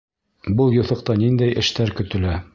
Был юҫыҡта ниндәй эштәр көтөлә?